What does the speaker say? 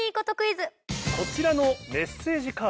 こちらのメッセージカード。